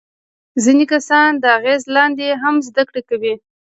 ځینې کسان د اغیز لاندې هم زده کړه کوي.